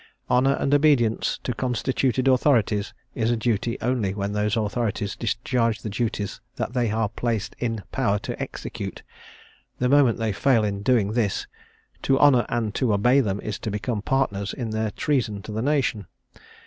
Honour and obedience to constituted authorities is a duty only when those authorities discharge the duties that they are placed in power to execute; the moment they fail in doing this, to* honour and to obey them is to become partners in their treason to the nation.